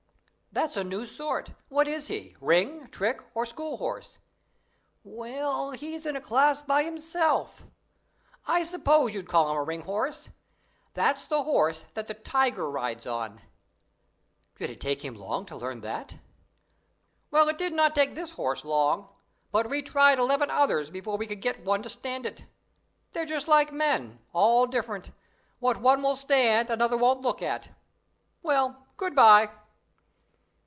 "That's a new sort! What is he, ring, trick, or school horse?" "Well, he's a class by himself. I suppose you'd call him a ring horse. That's the horse that the tiger rides on." "Did it take him long to learn that?" "Well, it did not take this horse long; but we tried eleven others before we could get one to stand it. They're just like men, all different. What one will stand another won't look at. Well, good bye."